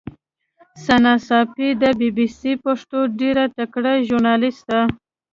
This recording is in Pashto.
ثنا ساپۍ د بي بي سي پښتو ډېره تکړه ژورنالیسټه